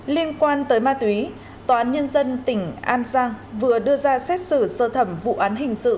liên quan tới ma túy tòa án nhân dân tỉnh an giang vừa đưa ra xét xử sơ thẩm vụ án hình sự